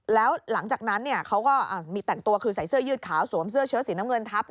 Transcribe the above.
แล้วหลังจากนั้นเขาก็มีแต่งตัวคือใส่เสื้อยืดขาวสวมเสื้อเชื้อสีน้ำเงินทับ